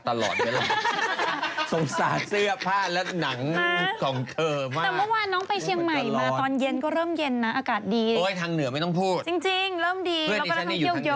ตอนเย็นโอเคแล้วกลางคืน